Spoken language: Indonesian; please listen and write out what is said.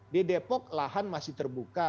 di depok lahan masih terbuka